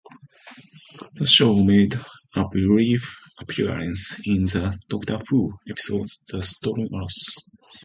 The show made a brief appearance in the "Doctor Who" episode "The Stolen Earth".